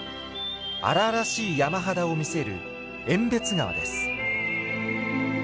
荒々しい山肌を見せる遠別川です。